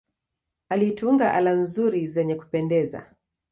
Alitunga ala nzuri zenye kupendeza.